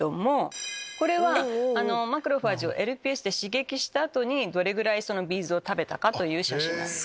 これはマクロファージをＬＰＳで刺激した後にどれぐらいビーズを食べたかという写真です。